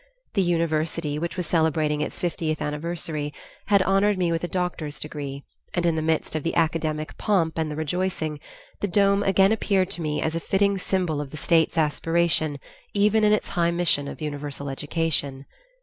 The University, which was celebrating it's fiftieth anniversary, had honored me with a doctor's degree, and in the midst of the academic pomp and the rejoicing, the dome again appeared to me as a fitting symbol of the state's aspiration even in its high mission of universal education.